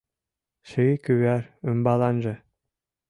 Ший кӱвар ӱмбаланже